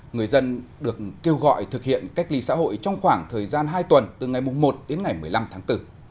người dân được kêu gọi thực hiện cách ly xã hội trong khoảng thời gian hai tuần từ ngày một đến ngày một mươi năm tháng bốn